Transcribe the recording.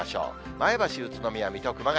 前橋、宇都宮、水戸、熊谷。